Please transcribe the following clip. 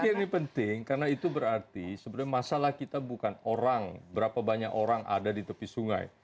tapi ini penting karena itu berarti sebenarnya masalah kita bukan orang berapa banyak orang ada di tepi sungai